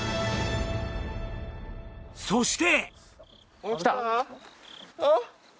そして。